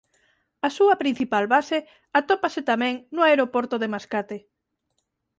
A súa principal base atópase tamén no aeroporto de Mascate.